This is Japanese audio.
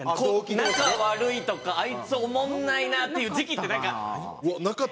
仲悪いとかあいつおもんないなっていう時期ってなんか。